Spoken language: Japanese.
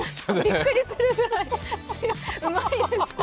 びっくりするぐらいうまいです。